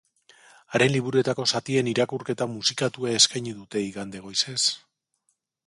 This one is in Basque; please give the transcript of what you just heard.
Haren liburuetako zatien irakurketa musikatua eskaini dute igande goizez.